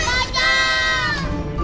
pokoknya di belakang